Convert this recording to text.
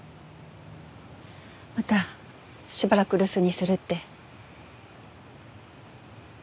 またしばらく留守にするって。